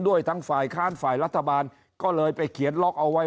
ทั้งฝ่ายค้านฝ่ายรัฐบาลก็เลยไปเขียนล็อกเอาไว้